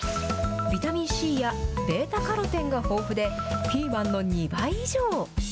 ビタミンＣやβカロテンが豊富で、ピーマンの２倍以上。